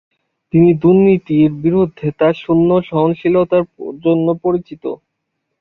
তিনি দুর্নীতির বিরুদ্ধে তার শূন্য সহনশীলতার জন্য পরিচিত।